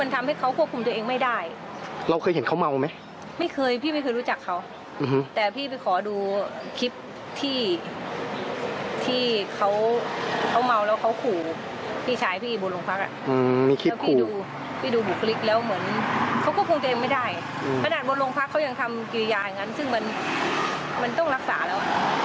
ทำกิวยาอย่างนั้นซึ่งมันต้องรักษาแล้ว